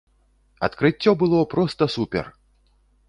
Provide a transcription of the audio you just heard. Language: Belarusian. Адкрыццё было проста супер!